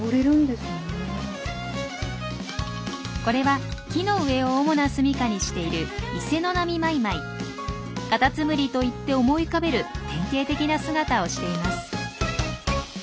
これは木の上を主な住みかにしているカタツムリといって思い浮かべる典型的な姿をしています。